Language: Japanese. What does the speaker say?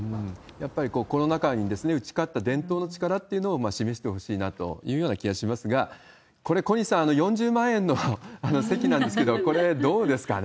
やっぱりコロナ禍に打ち勝った伝統の力っていうのを示してほしいなというような気がしますが、これ、小西さん、４０万円のあの席なんですけど、これ、どうですかね？